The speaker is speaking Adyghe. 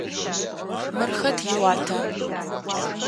Мыр хэт иуата?